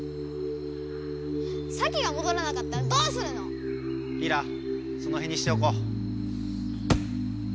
サキがもどらなかったらどうするの⁉リラそのへんにしておこう。